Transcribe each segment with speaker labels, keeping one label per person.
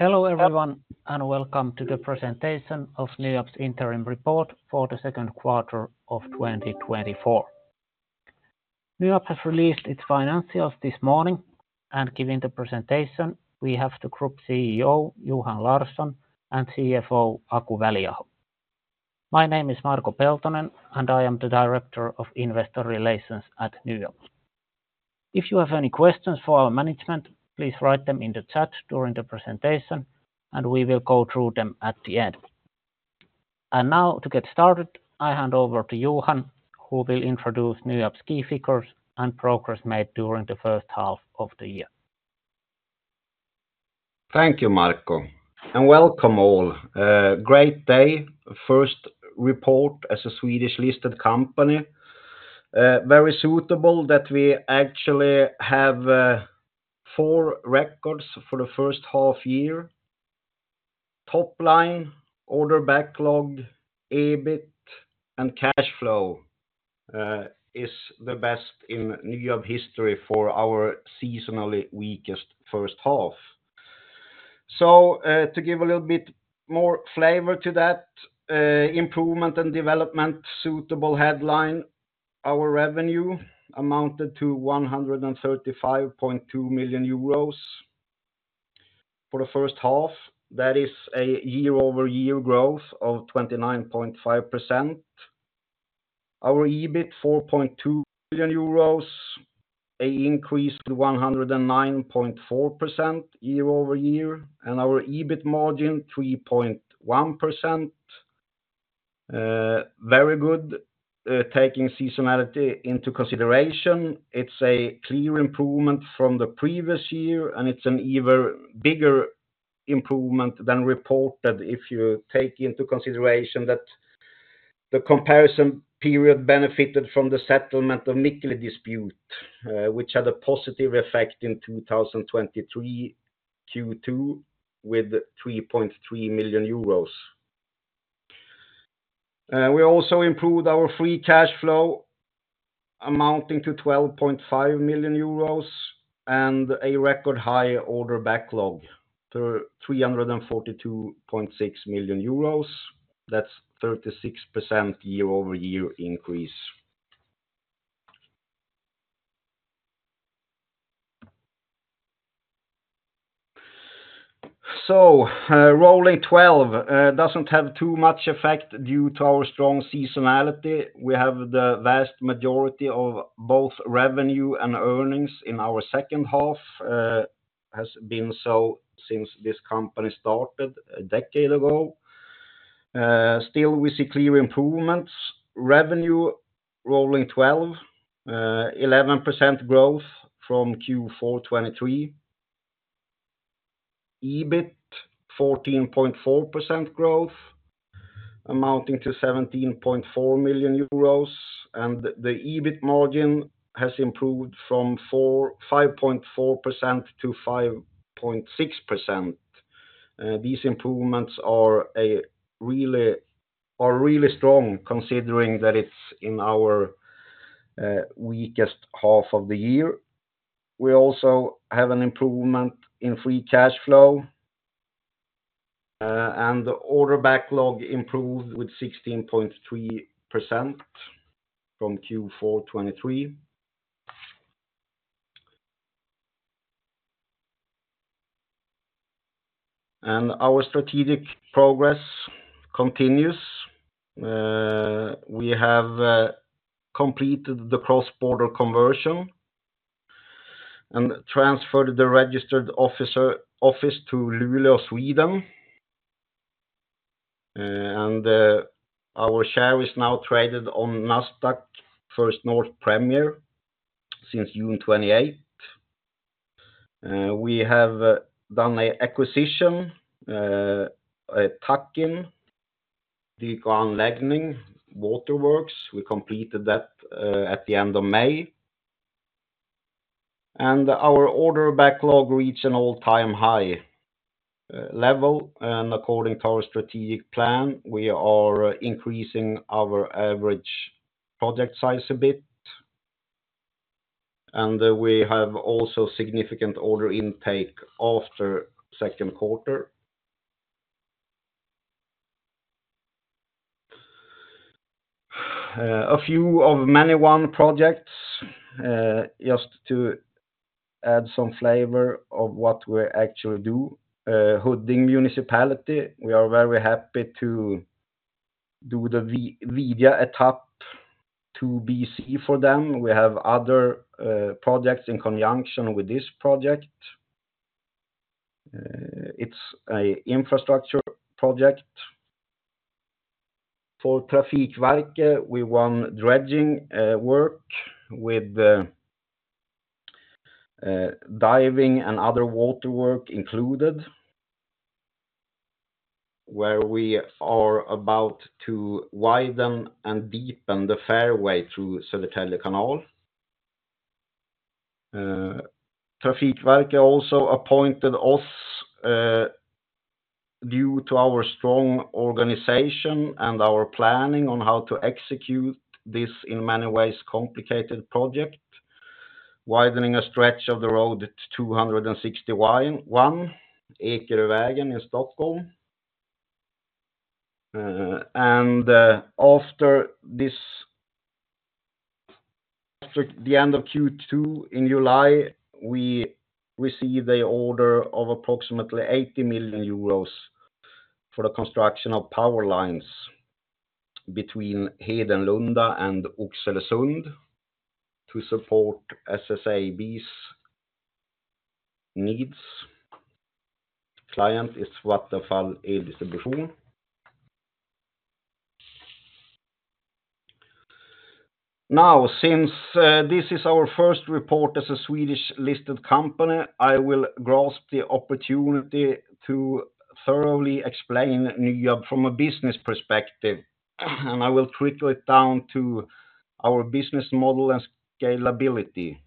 Speaker 1: Hello everyone, and welcome to the presentation of NYAB's Interim Report for the Second Quarter of 2024. NYAB has released its financials this morning, and giving the presentation, we have the Group CEO, Johan Larsson, and CFO, Aku Väliaho. My name is Marko Peltonen, and I am the director of Investor Relations at NYAB. If you have any questions for our management, please write them in the chat during the presentation, and we will go through them at the end. Now, to get started, I hand over to Johan, who will introduce NYAB's key figures and progress made during the first half of the year.
Speaker 2: Thank you, Marko, and welcome all. Great day, first report as a Swedish-listed company. Very suitable that we actually have four records for the first half year: top line, order backlog, EBIT, and cash flow is the best in NYAB history for our seasonally weakest first half. So, to give a little bit more flavor to that improvement and development, suitable headline, our revenue amounted to 135.2 million euros for the first half. That is a year-over-year growth of 29.5%. Our EBIT, 4.2 billion euros, an increase to 109.4% year-over-year, and our EBIT margin, 3.1%. Very good, taking seasonality into consideration. It's a clear improvement from the previous year, and it's an even bigger improvement than reported if you take into consideration that the comparison period benefited from the settlement of Mikkeli dispute, which had a positive effect in 2023 Q2 with 3.3 million euros. We also improved our free cash flow, amounting to 12.5 million euros and a record high order backlog to 342.6 million euros. That's 36% year-over-year increase. So, rolling twelve doesn't have too much effect due to our strong seasonality. We have the vast majority of both revenue and earnings in our second half, has been so since this company started a decade ago. Still, we see clear improvements. Revenue, rolling twelve, 11% growth from Q4 2023. EBIT, 14.4% growth, amounting to 17.4 million euros, and the EBIT margin has improved from 5.4%-5.6%. These improvements are really strong, considering that it's in our weakest half of the year. We also have an improvement in free cash flow, and the order backlog improved with 16.3% from Q4 2023. Our strategic progress continues. We have completed the cross-border conversion and transferred the registered office to Luleå, Sweden, and our share is now traded on Nasdaq First North Premier since June 28. We have done a acquisition, Dyk & Anläggning, waterworks. We completed that at the end of May. Our order backlog reached an all-time high level, and according to our strategic plan, we are increasing our average project size a bit, and we have also significant order intake after second quarter. A few of many won projects, just to add some flavor of what we actually do. Huddinge Municipality, we are very happy to do the Vidja etapp 2BC for them. We have other projects in conjunction with this project. It's a infrastructure project. For Trafikverket, we won dredging work with the diving and other waterwork included, where we are about to widen and deepen the fairway through Södertälje Canal. Trafikverket also appointed us due to our strong organization and our planning on how to execute this, in many ways, complicated project, widening a stretch of the road 261, Ekerövägen in Stockholm. And after this, the end of Q2 in July, we received a order of approximately 80 million euros for the construction of power lines between Hedenlunda and Oxelösund to support SSAB's needs. Client is Vattenfall Eldistribution. Now, since this is our first report as a Swedish-listed company, I will grasp the opportunity to thoroughly explain NYAB from a business perspective, and I will trickle it down to our business model and scalability.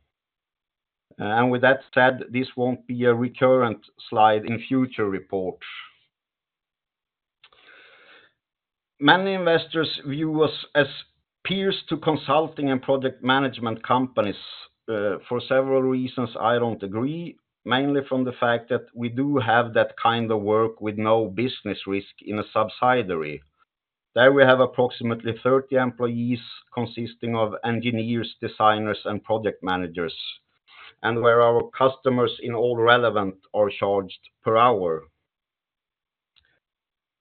Speaker 2: And with that said, this won't be a recurrent slide in future reports. Many investors view us as peers to consulting and project management companies, for several reasons I don't agree, mainly from the fact that we do have that kind of work with no business risk in a subsidiary. There we have approximately 30 employees, consisting of engineers, designers, and project managers, and where our customers, in all relevant, are charged per hour.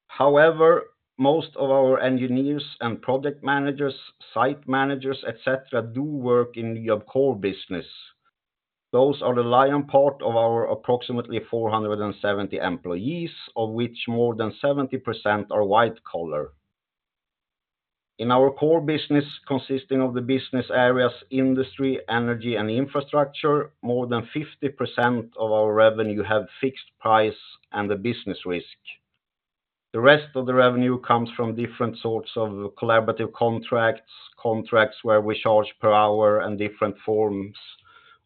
Speaker 2: However, most of our engineers and project managers, site managers, et cetera, do work in NYAB core business. Those are the lion part of our approximately 470 employees, of which more than 70% are white collar. In our core business, consisting of the business areas, industry, energy, and infrastructure, more than 50% of our revenue have fixed price and a business risk. The rest of the revenue comes from different sorts of collaborative contracts, contracts where we charge per hour, and different forms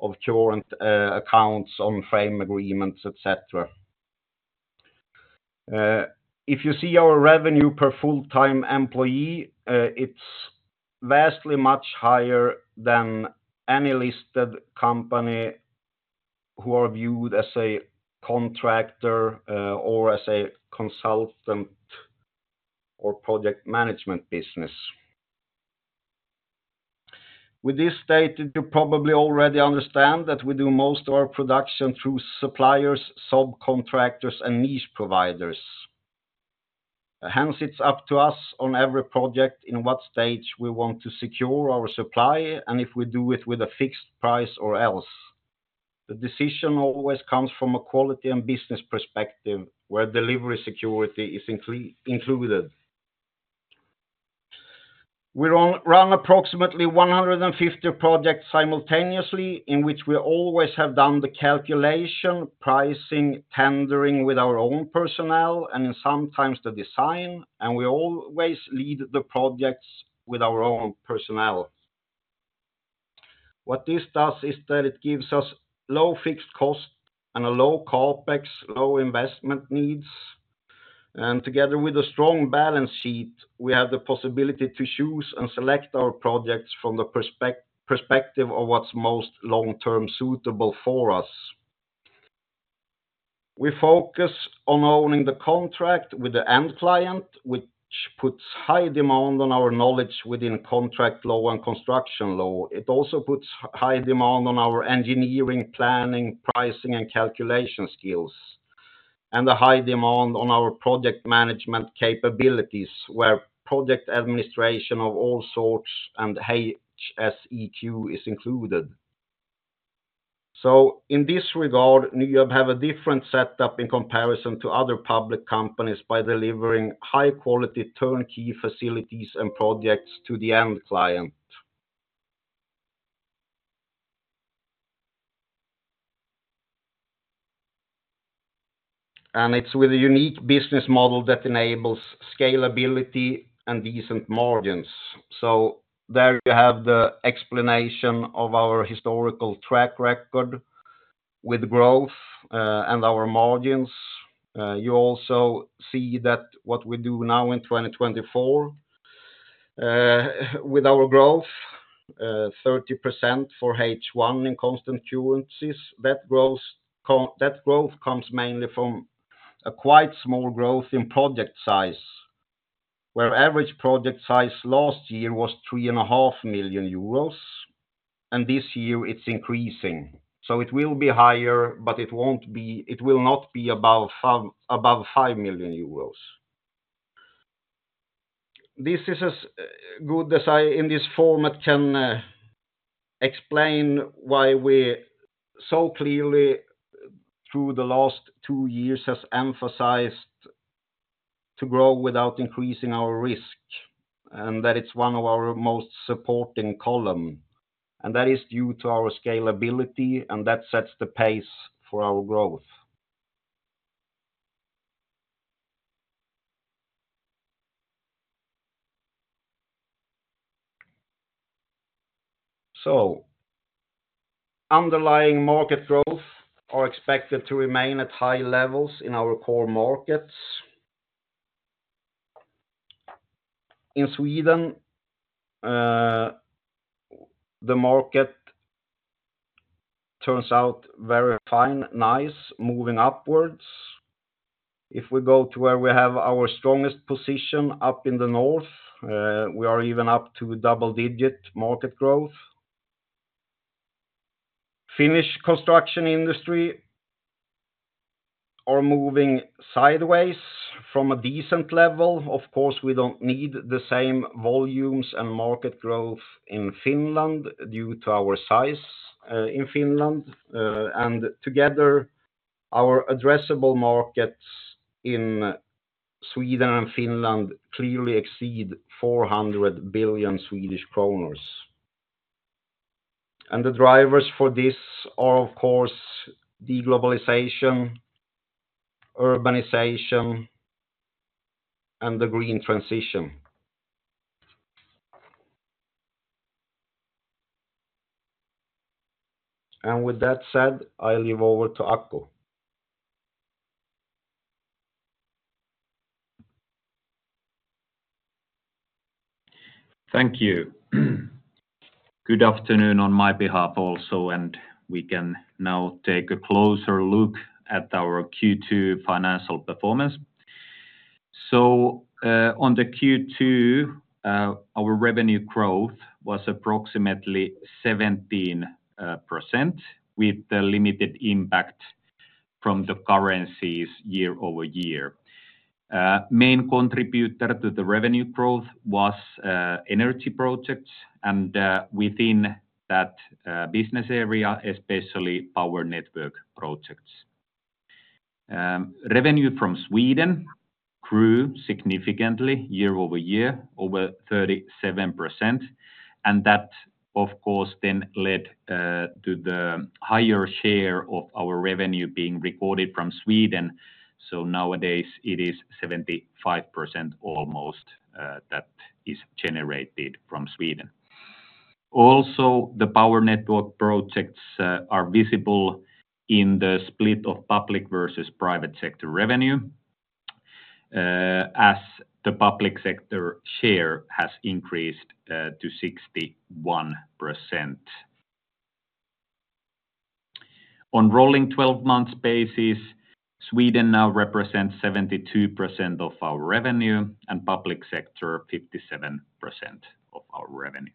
Speaker 2: of current, accounts on frame agreements, et cetera. If you see our revenue per full-time employee, it's vastly much higher than any listed company who are viewed as a contractor, or as a consultant, or project management business. With this stated, you probably already understand that we do most of our production through suppliers, subcontractors, and niche providers. Hence, it's up to us on every project, in what stage we want to secure our supply and if we do it with a fixed price or else. The decision always comes from a quality and business perspective, where delivery security is included. We run approximately 150 projects simultaneously, in which we always have done the calculation, pricing, tendering with our own personnel, and then sometimes the design, and we always lead the projects with our own personnel. What this does is that it gives us low fixed cost and a low CapEx, low investment needs, and together with a strong balance sheet, we have the possibility to choose and select our projects from the perspective of what's most long-term suitable for us. We focus on owning the contract with the end client, which puts high demand on our knowledge within contract law and construction law. It also puts high demand on our engineering, planning, pricing, and calculation skills, and a high demand on our project management capabilities, where project administration of all sorts and HSEQ is included. So in this regard, NYAB have a different setup in comparison to other public companies by delivering high-quality turnkey facilities and projects to the end client. And it's with a unique business model that enables scalability and decent margins. So there you have the explanation of our historical track record with growth and our margins. You also see that what we do now in 2024 with our growth 30% for H1 in constant currencies, that growth comes mainly from a quite small growth in project size, where average project size last year was 3.5 million euros, and this year it's increasing, so it will be higher, but it won't be, it will not be above 5, above 5 million euros. This is as good as I, in this format, can explain why we so clearly, through the last two years, has emphasized to grow without increasing our risk, and that it's one of our most supporting column, and that is due to our scalability, and that sets the pace for our growth.... So underlying market growth are expected to remain at high levels in our core markets. In Sweden, the market turns out very fine, nice, moving upwards. If we go to where we have our strongest position, up in the north, we are even up to double-digit market growth. Finnish construction industry are moving sideways from a decent level. Of course, we don't need the same volumes and market growth in Finland due to our size, in Finland. And together, our addressable markets in Sweden and Finland clearly exceed 400 billion Swedish kronor. And the drivers for this are, of course: deglobalization, urbanization, and the green transition. And with that said, I leave over to Aku.
Speaker 3: Thank you. Good afternoon on my behalf also, and we can now take a closer look at our Q2 financial performance. So, on the Q2, our revenue growth was approximately 17%, with a limited impact from the currencies year-over-year. Main contributor to the revenue growth was energy projects, and within that business area, especially power network projects. Revenue from Sweden grew significantly year-over-year, over 37%, and that, of course, then led to the higher share of our revenue being recorded from Sweden. So nowadays, it is 75% almost, that is generated from Sweden. Also, the power network projects are visible in the split of public versus private sector revenue, as the public sector share has increased to 61%. On rolling twelve-months basis, Sweden now represents 72% of our revenue, and public sector, 57% of our revenue.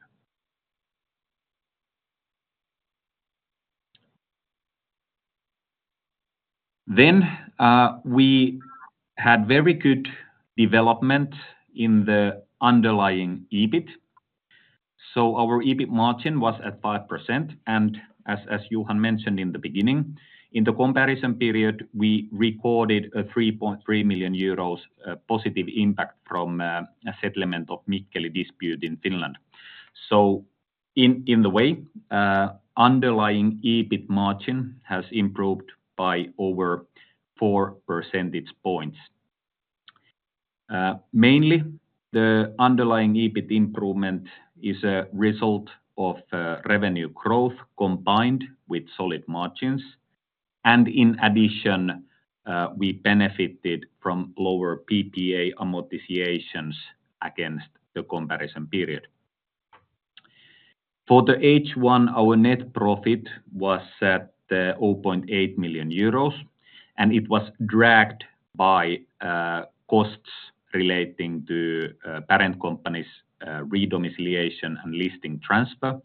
Speaker 3: Then, we had very good development in the underlying EBIT. So our EBIT margin was at 5%, and as Johan mentioned in the beginning, in the comparison period, we recorded a 3.3 million euros positive impact from a settlement of Mikkeli dispute in Finland. So in the way, underlying EBIT margin has improved by over four percentage points. Mainly, the underlying EBIT improvement is a result of revenue growth combined with solid margins, and in addition, we benefited from lower PPA amortizations against the comparison period. For the H1, our net profit was at 0.8 million euros, and it was dragged by costs relating to parent company's redomiciliation and listing transfer,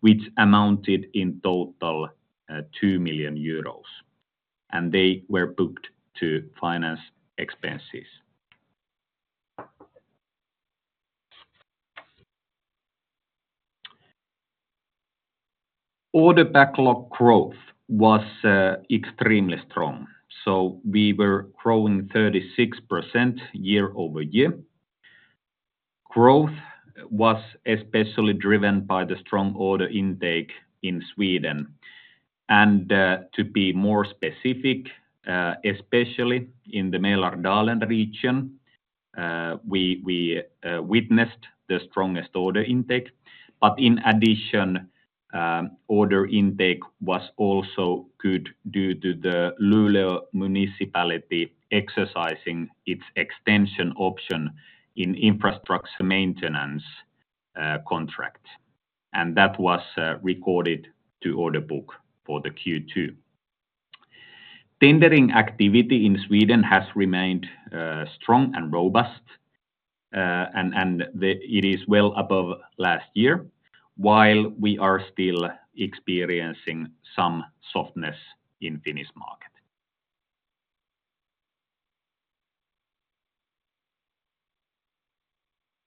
Speaker 3: which amounted, in total, 2 million euros, and they were booked to finance expenses. Order backlog growth was extremely strong, so we were growing 36% year-over-year. Growth was especially driven by the strong order intake in Sweden. To be more specific, especially in the Mälardalen region, we witnessed the strongest order intake. In addition, order intake was also good due to the Luleå Municipality exercising its extension option in infrastructure maintenance contract, and that was recorded to order book for the Q2. Tendering activity in Sweden has remained strong and robust, and it is well above last year, while we are still experiencing some softness in Finnish market.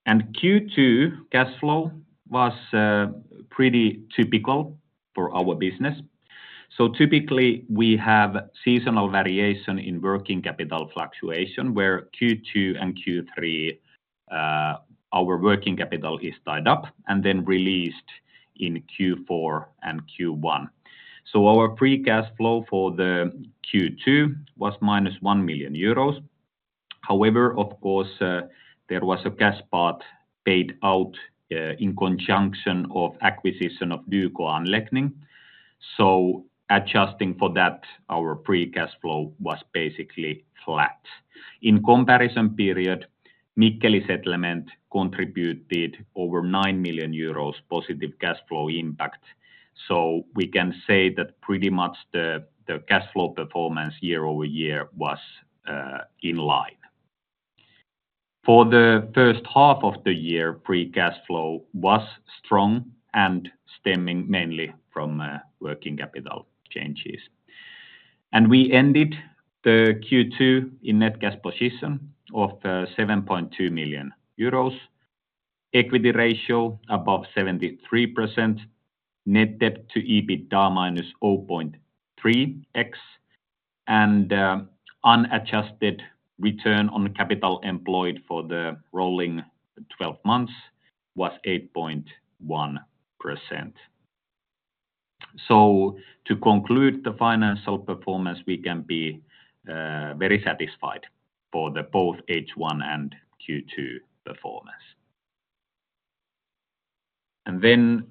Speaker 3: Q2 cash flow was pretty typical for our business. Typically, we have seasonal variation in working capital fluctuation, where Q2 and Q3 our working capital is tied up and then released in Q4 and Q1. Our free cash flow for the Q2 was minus 1 million euros. However, of course, there was a cash part paid out in conjunction of acquisition of Dyk & Anläggning. Adjusting for that, our free cash flow was basically flat. In comparison period, Mikkeli settlement contributed over 9 million euros positive cash flow impact, so we can say that pretty much the cash flow performance year-over-year was in line. For the first half of the year, free cash flow was strong and stemming mainly from working capital changes. We ended the Q2 in net cash position of 7.2 million euros, equity ratio above 73%, net debt to EBITDA -0.3x, and unadjusted return on capital employed for the rolling twelve months was 8.1%. So to conclude the financial performance, we can be very satisfied for both H1 and Q2 performance. Then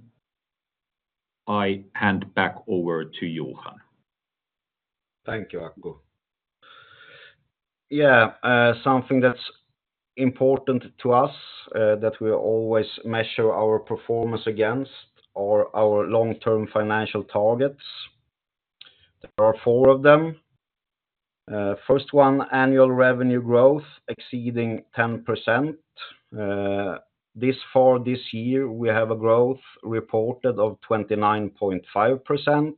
Speaker 3: I hand back over to Johan.
Speaker 2: Thank you, Aku. Yeah, something that's important to us, that we always measure our performance against are our long-term financial targets. There are four of them. First one, annual revenue growth exceeding 10%. This far this year, we have a growth reported of 29.5%.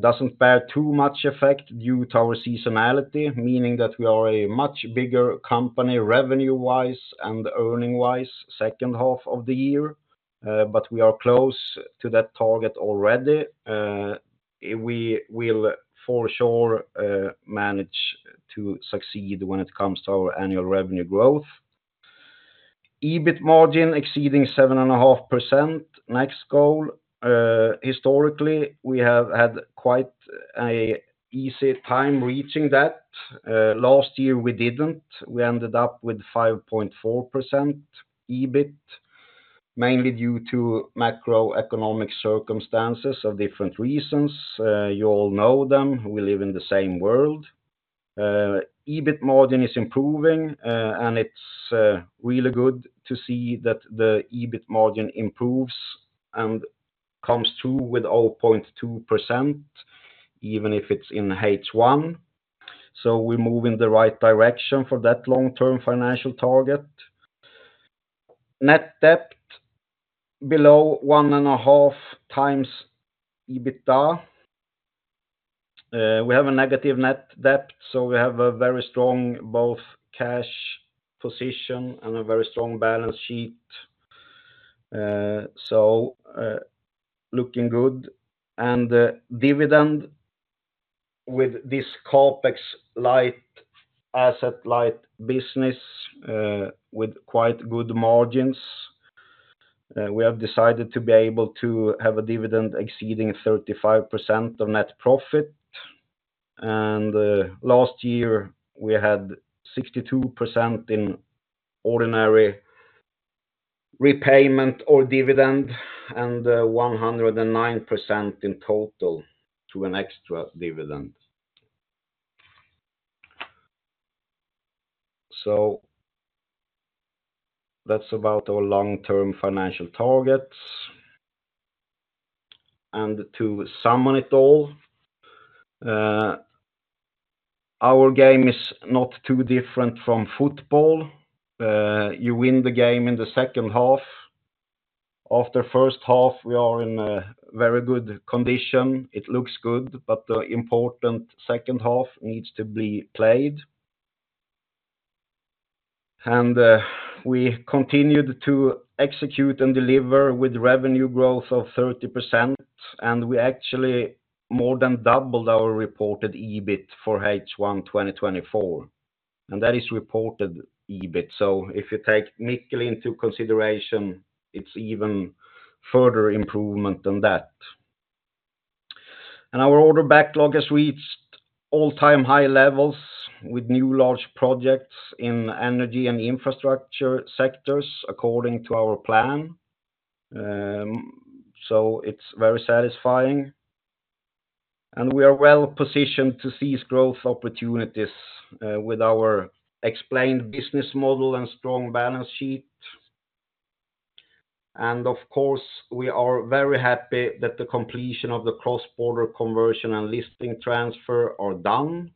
Speaker 2: Doesn't bear too much effect due to our seasonality, meaning that we are a much bigger company, revenue-wise and earning-wise, second half of the year. But we are close to that target already. We will for sure, manage to succeed when it comes to our annual revenue growth. EBIT margin exceeding 7.5%, next goal. Historically, we have had quite an easy time reaching that. Last year, we didn't. We ended up with 5.4% EBIT, mainly due to macroeconomic circumstances of different reasons. You all know them. We live in the same world. EBIT margin is improving, and it's really good to see that the EBIT margin improves and comes through with 0.2%, even if it's in H1. So we're moving in the right direction for that long-term financial target. Net debt below 1.5x EBITDA. We have a negative net debt, so we have a very strong both cash position and a very strong balance sheet. So, looking good. And, dividend with this CapEx light, asset light business, with quite good margins, we have decided to be able to have a dividend exceeding 35% of net profit. And, last year, we had 62% in ordinary repayment or dividend, and, 109% in total to an extra dividend. So that's about our long-term financial targets. And to sum it all up, our game is not too different from football. You win the game in the second half. After first half, we are in a very good condition. It looks good, but the important second half needs to be played. And, we continued to execute and deliver with revenue growth of 30%, and we actually more than doubled our reported EBIT for H1 2024, and that is reported EBIT. So if you take Mikkeli into consideration, it's even further improvement than that. And our order backlog has reached all-time high levels with new large projects in energy and infrastructure sectors, according to our plan. So it's very satisfying, and we are well positioned to seize growth opportunities, with our explained business model and strong balance sheet. Of course, we are very happy that the completion of the cross-border conversion and listing transfer are done,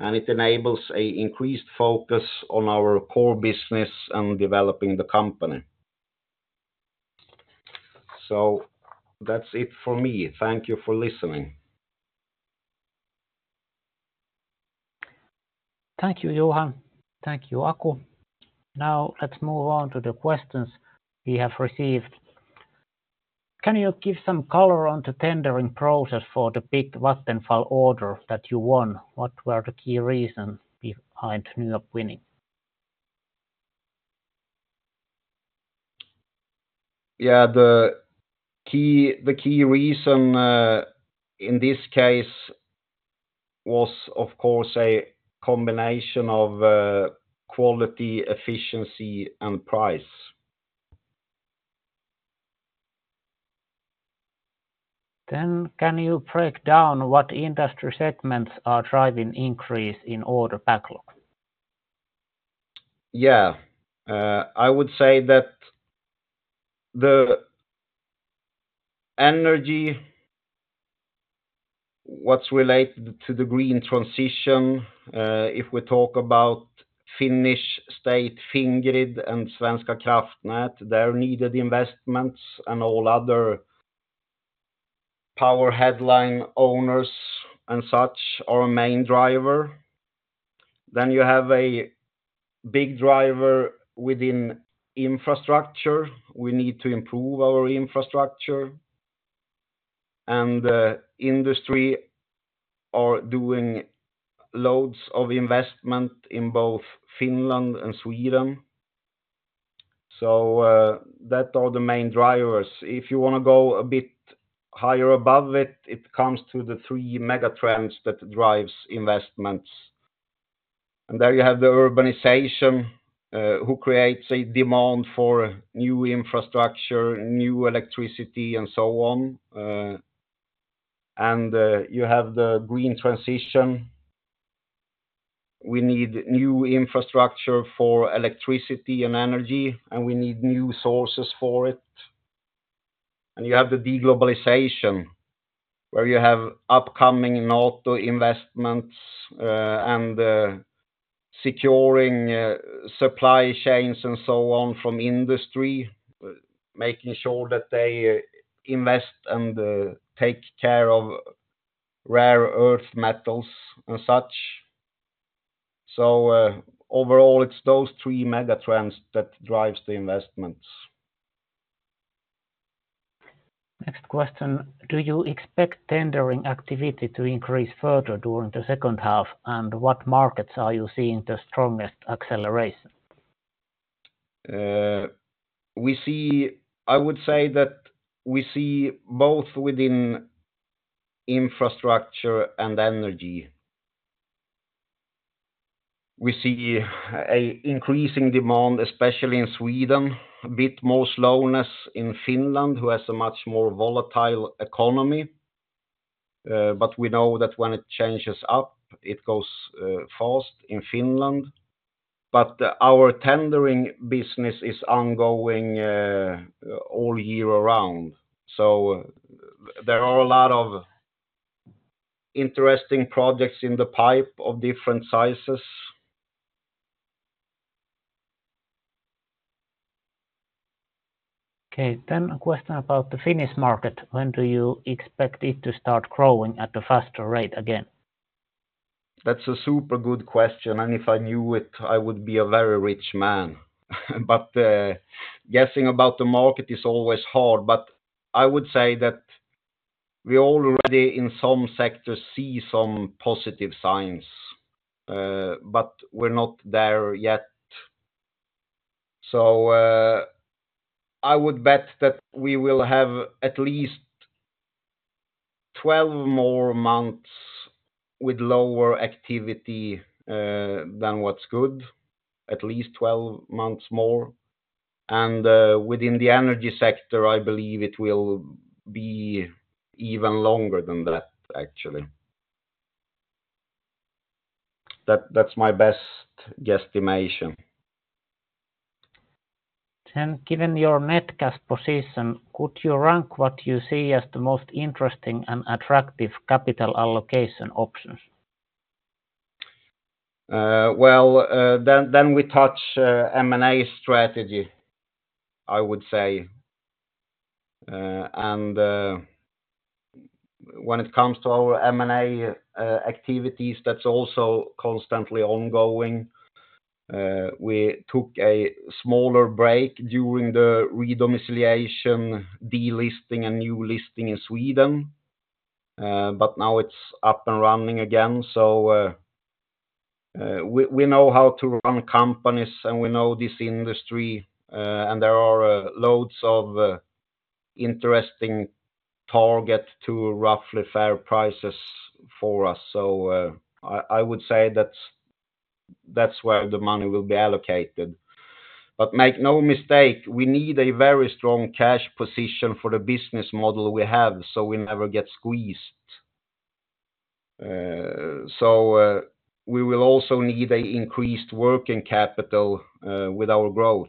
Speaker 2: and it enables a increased focus on our core business and developing the company. So that's it for me. Thank you for listening.
Speaker 1: Thank you, Johan. Thank you, Aku. Now, let's move on to the questions we have received. Can you give some color on the tendering process for the big Vattenfall order that you won? What were the key reasons behind NYAB winning?...
Speaker 2: Yeah, the key, the key reason, in this case was, of course, a combination of, quality, efficiency, and price.
Speaker 1: Can you break down what industry segments are driving increase in order backlog?
Speaker 2: Yeah. I would say that the energy, what's related to the green transition, if we talk about Finnish state, Fingrid, and Svenska kraftnät, their needed investments and all other power line owners and such are a main driver. Then you have a big driver within infrastructure. We need to improve our infrastructure, and the industry are doing loads of investment in both Finland and Sweden. So, that are the main drivers. If you wanna go a bit higher above it, it comes to the three mega trends that drives investments. And there you have the urbanization, who creates a demand for new infrastructure, new electricity, and so on. And, you have the green transition. We need new infrastructure for electricity and energy, and we need new sources for it. You have the de-globalization, where you have upcoming auto investments, and securing supply chains and so on from industry, making sure that they invest and take care of rare earth metals and such. Overall, it's those three mega trends that drives the investments.
Speaker 1: Next question: Do you expect tendering activity to increase further during the second half? And what markets are you seeing the strongest acceleration?
Speaker 2: We see. I would say that we see both within infrastructure and energy. We see a increasing demand, especially in Sweden, a bit more slowness in Finland, who has a much more volatile economy. But we know that when it changes up, it goes fast in Finland. But our tendering business is ongoing all year around, so there are a lot of interesting projects in the pipe of different sizes.
Speaker 1: Okay, then a question about the Finnish market. When do you expect it to start growing at a faster rate again?
Speaker 2: That's a super good question, and if I knew it, I would be a very rich man. But, guessing about the market is always hard, but I would say that we already, in some sectors, see some positive signs, but we're not there yet. So, I would bet that we will have at least 12 more months with lower activity than what's good, at least 12 months more. And, within the energy sector, I believe it will be even longer than that, actually. That, that's my best guesstimation.
Speaker 1: Given your net cash position, could you rank what you see as the most interesting and attractive capital allocation options?
Speaker 2: Well, then we touch M&A strategy, I would say. And when it comes to our M&A activities, that's also constantly ongoing. We took a smaller break during the re-domiciliation, delisting, and new listing in Sweden, but now it's up and running again. We know how to run companies, and we know this industry, and there are loads of interesting target to roughly fair prices for us. I would say that's where the money will be allocated. But make no mistake, we need a very strong cash position for the business model we have, so we never get squeezed. We will also need an increased working capital with our growth.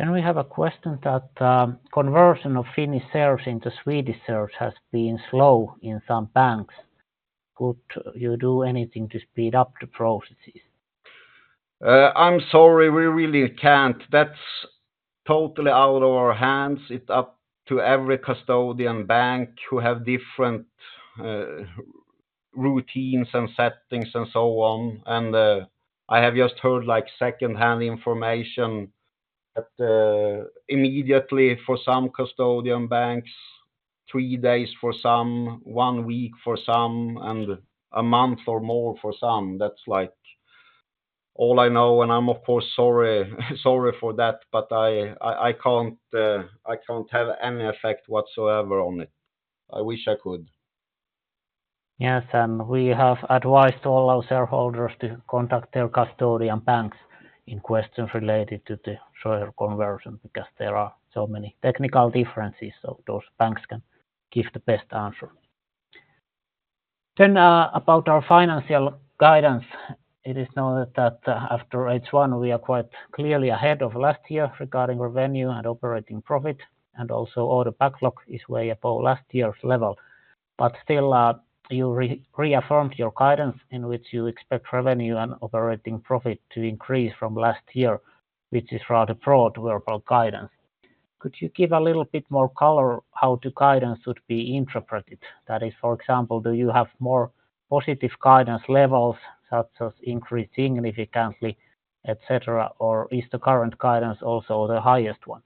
Speaker 1: Then we have a question that, conversion of Finnish shares into Swedish shares has been slow in some banks. Could you do anything to speed up the processes?
Speaker 2: I'm sorry, we really can't. That's totally out of our hands. It's up to every custodian bank who have different routines and settings and so on. I have just heard, like, second-hand information that immediately for some custodian banks, 3 days for some, 1 week for some, and a month or more for some. That's like all I know, and I'm, of course, sorry, sorry for that, but I can't have any effect whatsoever on it. I wish I could.
Speaker 1: Yes, and we have advised all our shareholders to contact their custodian banks in questions related to the share conversion, because there are so many technical differences, so those banks can give the best answer. Then, about our financial guidance, it is known that, after H1, we are quite clearly ahead of last year regarding revenue and operating profit, and also order backlog is way above last year's level. But still, you reaffirmed your guidance, in which you expect revenue and operating profit to increase from last year, which is rather broad verbal guidance. Could you give a little bit more color how the guidance should be interpreted? That is, for example, do you have more positive guidance levels, such as increase significantly, et cetera, or is the current guidance also the highest one?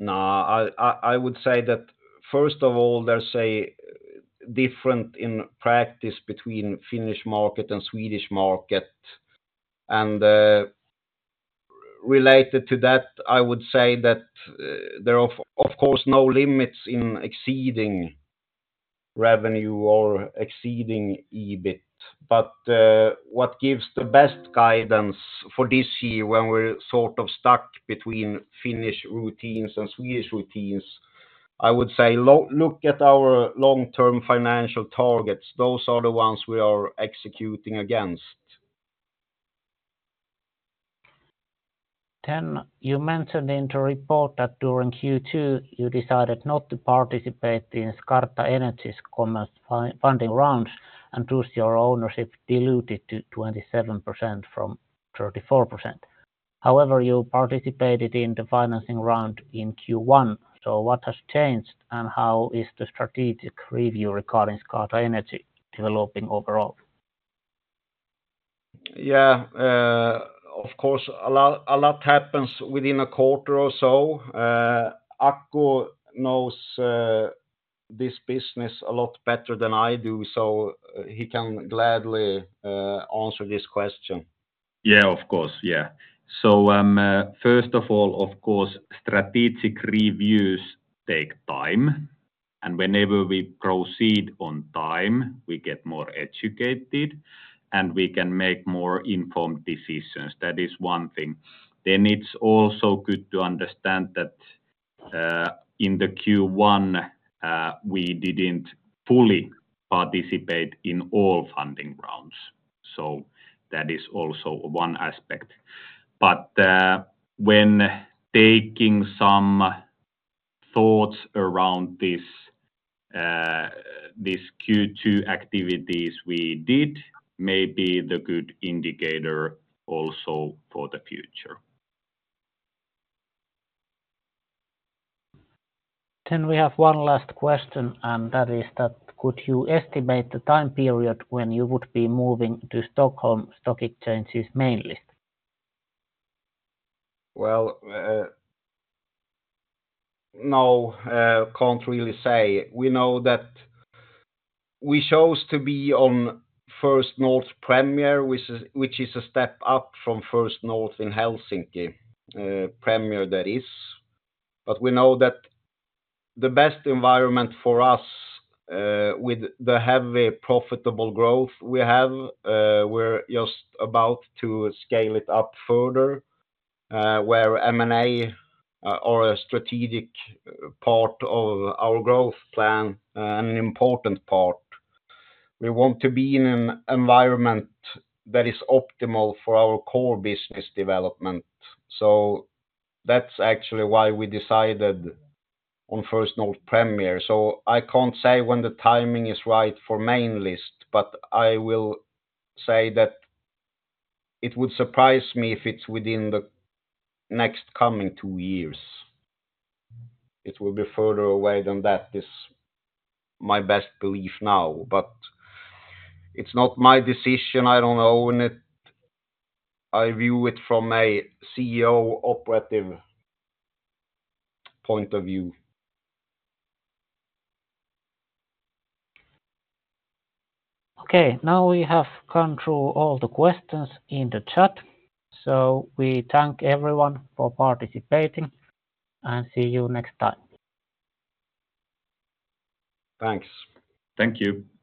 Speaker 2: No, I would say that, first of all, there's a difference in practice between Finnish market and Swedish market. And related to that, I would say that there are, of course, no limits in exceeding revenue or exceeding EBIT. But what gives the best guidance for this year, when we're sort of stuck between Finnish routines and Swedish routines, I would say look at our long-term financial targets. Those are the ones we are executing against.
Speaker 1: Then you mentioned in the report that during Q2, you decided not to participate in Skarta Energy's commercial funding rounds, and thus your ownership diluted to 27% from 34%. However, you participated in the financing round in Q1, so what has changed, and how is the strategic review regarding Skarta Energy developing overall?
Speaker 2: Yeah, of course, a lot, a lot happens within a quarter or so. Aku knows this business a lot better than I do, so he can gladly answer this question.
Speaker 3: Yeah, of course. Yeah. So, first of all, of course, strategic reviews take time, and whenever we proceed on time, we get more educated, and we can make more informed decisions. That is one thing. Then it's also good to understand that, in the Q1, we didn't fully participate in all funding rounds, so that is also one aspect. But, when taking some thoughts around this, these Q2 activities we did, may be the good indicator also for the future.
Speaker 1: Then we have one last question, and that is that: could you estimate the time period when you would be moving to Stockholm Stock Exchange's main list?
Speaker 2: Well, no, can't really say. We know that we chose to be on First North Premier, which is a step up from First North in Helsinki, Premier, that is. But we know that the best environment for us, with the heavy, profitable growth we have, we're just about to scale it up further, where M&A are a strategic part of our growth plan, and an important part. We want to be in an environment that is optimal for our core business development. So that's actually why we decided on First North Premier. So I can't say when the timing is right for main list, but I will say that it would surprise me if it's within the next coming two years. It will be further away than that, is my best belief now. It's not my decision, I don't own it. I view it from a CEO operative point of view.
Speaker 1: Okay, now we have gone through all the questions in the chat, so we thank everyone for participating, and see you next time.
Speaker 2: Thanks.
Speaker 3: Thank you.